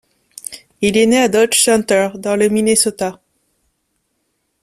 Il est né à Dodge Center, dans le Minnesota.